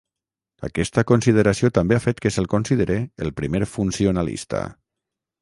Aquesta consideració també ha fet que se'l considere el primer funcionalista.